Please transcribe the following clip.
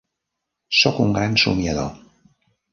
Soc un gran somiador.